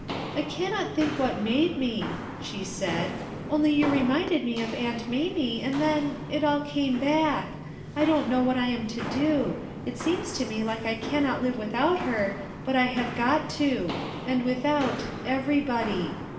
"I can't think what made me/' she said, "Only you reminded me of Aunt Mamie, and then— it all came back. I don't know what I am to do; it seems to me that I cannot live without her, but I have got to; and without — everybody.